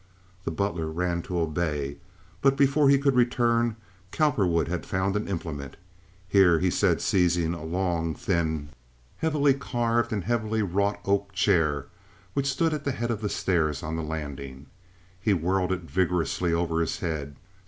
The butler ran to obey, but before he could return Cowperwood had found an implement. "Here!" he said, seizing a long, thin, heavily carved and heavily wrought oak chair which stood at the head of the stairs on the landing. He whirled it vigorously over his head.